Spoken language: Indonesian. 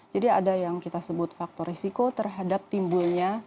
jadi ada yang kita sebut faktor resiko terhadap timbulnya penyakit jantung koroner